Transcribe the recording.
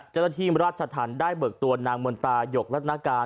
แจ้งที่รัฐจารย์บรรชาธารณ์ได้เบิกตัวนางมนตาร์หยกลัฐนาการ